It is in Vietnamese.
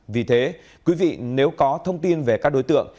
vì thế quý vị nếu có thông tin về các đối tượng